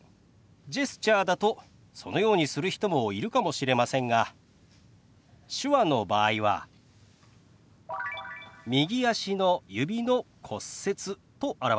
ジェスチャーだとそのようにする人もいるかもしれませんが手話の場合は「右足の指の骨折」と表します。